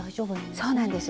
そうなんです。